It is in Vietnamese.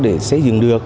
để xây dựng được